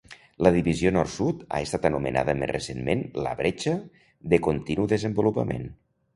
La divisió nord-sud ha estat anomenada més recentment la bretxa de continu desenvolupament.